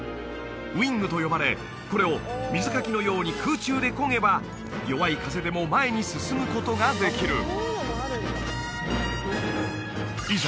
ウィングと呼ばれこれを水かきのように空中でこげば弱い風でも前に進むことができるいざ